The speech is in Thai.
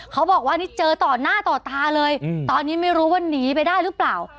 เขาบอกว่านี่เจอต่อหน้าต่อตาเลยตอนนี้ไม่รู้ว่าหนีไปได้หรือเปล่า